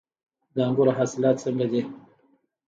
د انګورو حاصلات څنګه دي؟